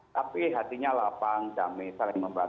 tapi hatinya lapang damai saling membaca